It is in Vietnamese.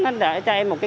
nó đã cho em một cái